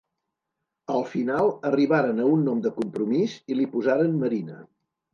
Al final arribaren a un nom de compromís i li posaren Marina.